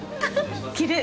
きれい。